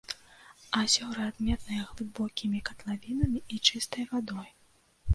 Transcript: Азёры адметныя глыбокімі катлавінамі і чыстай вадой.